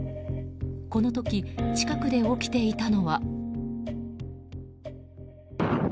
この時、近くで起きていたのは。